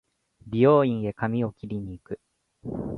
美容院へ髪を切りに行く